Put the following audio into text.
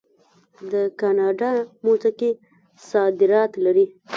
د کاناډا موسیقي صادرات لري.